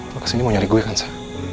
lo kesini mau nyari gue kan sa